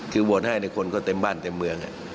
คือโหวตให้คนก็เต็มบ้านเต็มเมือง